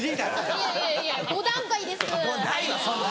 いやいやいや５段階です。